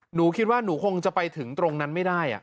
หนูคิดว่าหนูคงจะไปถึงตรงนั้นไม่ได้